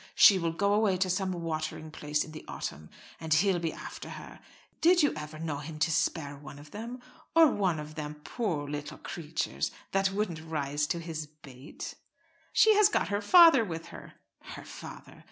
She will go away to some watering place in the autumn, and he'll be after her. Did you ever know him spare one of them? or one of them, poor little creatures, that wouldn't rise to his bait?" "She has got her father with her." "Her father!